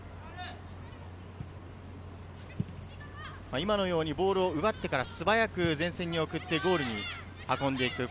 今のようにボールを奪ってから、すばやく前線に送ってゴールに運んでいく。